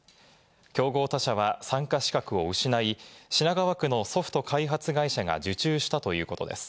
競合他社は参加資格を失い、品川区のソフト開発会社が受注したということです。